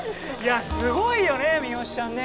すごいよね三好ちゃんね。